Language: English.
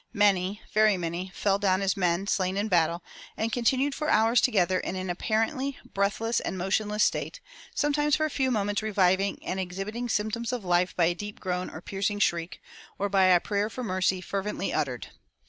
Many, very many, fell down as men slain in battle, and continued for hours together in an apparently breathless and motionless state, sometimes for a few moments reviving and exhibiting symptoms of life by a deep groan or piercing shriek, or by a prayer for mercy fervently uttered.